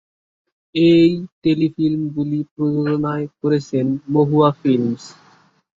এই টেলিফিল্ম গুলি প্রযোজনায় করেছেন "মহুয়া ফিল্মস"।